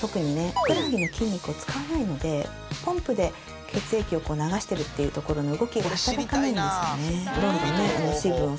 ふくらはぎの筋肉を使わないのでポンプで血液を流してるっていうところの動きが働かないんですよね。